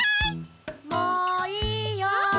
・もういいよ。